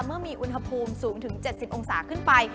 เมื่อมีอุณหภูมิสูงถึง๗๐องศาขึ้นไป